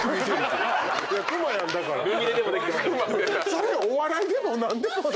それお笑いでも何でもない。